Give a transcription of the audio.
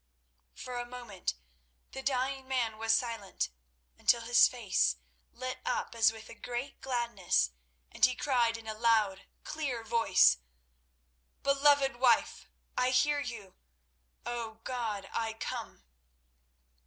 For a moment the dying man was silent, until his face lit up as with a great gladness, and he cried in a loud, clear voice, "Beloved wife, I hear you! O, God, I come!"